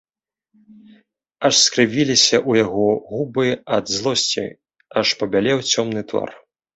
Аж скрывіліся ў яго губы ад злосці, аж пабялеў цёмны твар.